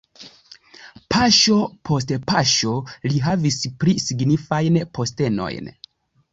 Paŝo post paŝo li havis pli signifajn postenojn.